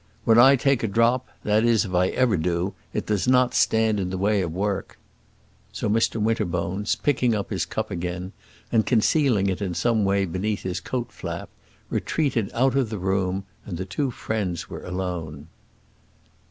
When I take a drop, that is if I ever do, it does not stand in the way of work." So Mr Winterbones, picking up his cup again, and concealing it in some way beneath his coat flap, retreated out of the room, and the two friends were alone.